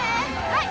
はい！